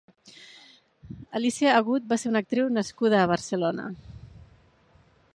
Alicia Agut va ser una actriu nascuda a Barcelona.